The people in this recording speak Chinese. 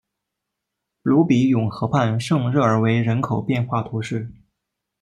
鲁比永河畔圣热尔韦人口变化图示